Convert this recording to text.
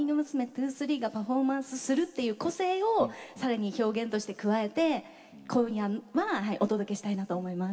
’２３がパフォーマンスするっていう個性をさらに表現として加えて今夜はお届けしたいなと思います。